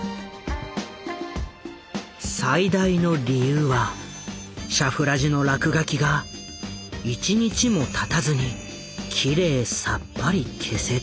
最大の理由はシャフラジの落書きが１日もたたずにきれいさっぱり消せたこと。